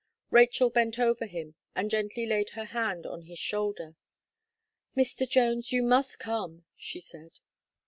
Rachel bent over him, and gently laid her hand on his shoulder. "Mr. Jones, you must come!" she said.